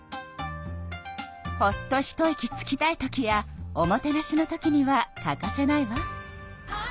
ほっと一息つきたいときやおもてなしのときには欠かせないわ。